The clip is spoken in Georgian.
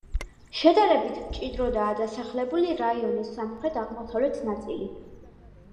შედარებით მჭიდროდაა დასახლებული რაიონის სამხრეთ-აღმოსავლეთ ნაწილი.